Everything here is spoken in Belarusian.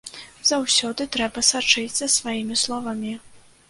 Заўсёды трэба сачыць за сваімі словамі!